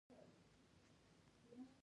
چې دغه رود بیا سیند ته توېېده.